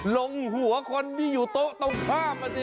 ลงหัวคนที่อยู่โต๊ะตรงข้ามอ่ะสิ